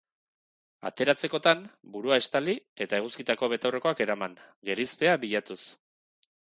Ateratzekotan, burua estali eta eguzkitako betaurrekoak eraman, gerizpea bilatuz.